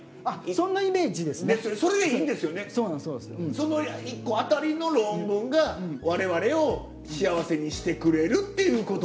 その１個当たりの論文が我々を幸せにしてくれるっていうことで。